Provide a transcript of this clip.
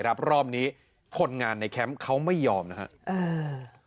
รอบนี้คนงานในแคมป์เขาไม่ยอมนะครับ